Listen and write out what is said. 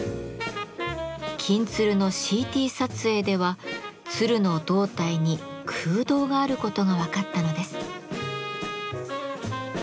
「金鶴」のＣＴ撮影では鶴の胴体に空洞があることが分かったのです。